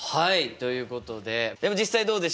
ということででも実際どうでしたか？